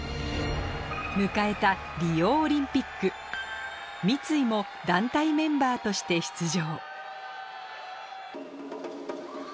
迎えたリオオリンピック三井も団体メンバーとして出場